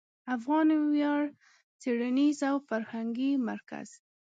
افغان ویاړ څېړنیز او فرهنګي مرکز